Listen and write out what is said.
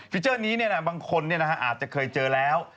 ฟีเจอร์นี้เนี่ยบางคนเนี่ยอาจจะเคยเจอแล้ว